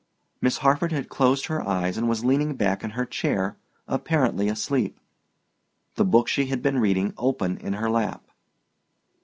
Miss Harford had closed her eyes and was leaning back in her chair, apparently asleep, the book she had been reading open in her lap.